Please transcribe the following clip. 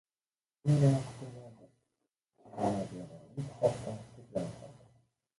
A szervezők a továbblépés új lehetőségein gondolkodtak.